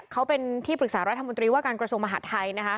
เขาเป็นที่ปรึกษารัฐมนตรีว่าการกระทรวงมหาดไทยนะคะ